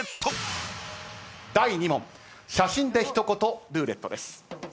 第２問写真で一言ルーレットです。